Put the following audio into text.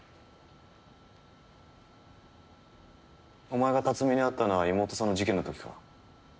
お前が辰巳に会ったのは妹さんの事件の時か？